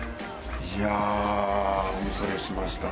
いやあお見それしました。